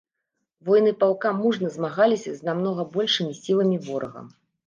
Воіны палка мужна змагаліся з намнога большымі сіламі ворага.